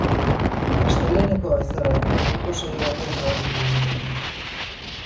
Astelehenekoa bezala, gaurko saioa ateak zabalik egingo dute.